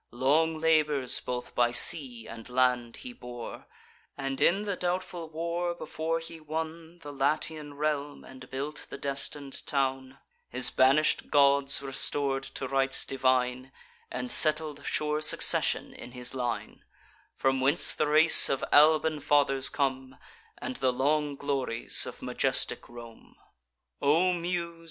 Long labours, both by sea and land, he bore, And in the doubtful war, before he won The Latian realm, and built the destin'd town; His banish'd gods restor'd to rites divine, And settled sure succession in his line, From whence the race of Alban fathers come, And the long glories of majestic Rome. O Muse!